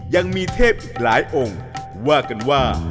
ยังมีเทพอีกหลายองค์ว่ากันว่า